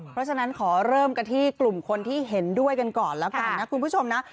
เพราะฉะนั้นขอเริ่มกันที่กลุ่มคนที่เห็นด้วยกันก่อนแล้วกันนะคุณผู้ชมนะ